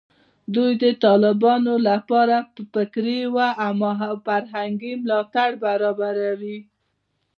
دوی د طالبانو لپاره فکري او فرهنګي ملاتړ برابروي